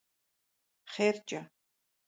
Хъеркӏэ!